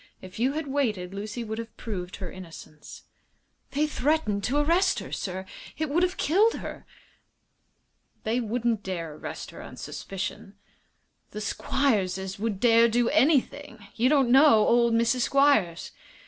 If you had waited Lucy would have proved her innocence." "They threatened to arrest her, sir. It would have killed her." "They wouldn't dare arrest her on suspicion." "The Squierses would dare do anything. You don't know old Mrs. Squiers."